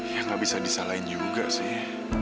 ya gak bisa disalahin juga sih